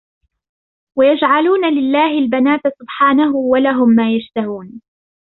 ويجعلون لله البنات سبحانه ولهم ما يشتهون